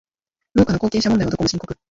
農家の後継者問題はどこも深刻